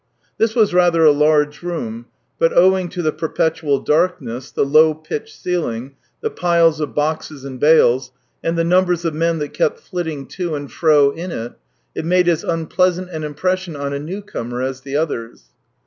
This was rather a large room, but owing to the perpetual darkness, the low pitched ceiling, the piles of boxes and bales, and the numbers of men that kept flitting to and fro in it, it made as unpleasant an impression on a new comer as the others.